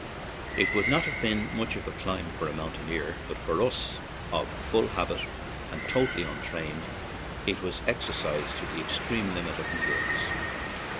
It would not have been much of a climb for a mountaineer, but for us, of full habit and totally untrained, it was exercise to the extreme limit of endur ance.